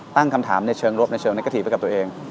ตั้งคำถามในเชิงรวบในเชิงแน็กกระถีกับตัวเอง